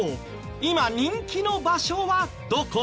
今人気の場所はどこ？